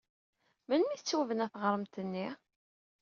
Melmi ay tettwabna teɣremt-nni?